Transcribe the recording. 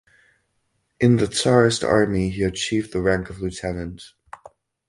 In the Tsarist Army he achieved the rank of lieutenant.